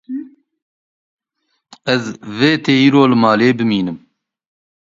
Ez vête îro li malê bimînim